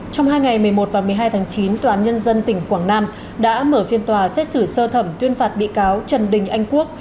trong hai ngày một mươi một và một mươi hai tháng chín tòa án nhân dân tỉnh quảng nam đã mở phiên tòa xét xử sơ thẩm tuyên phạt bị cáo trần đình anh quốc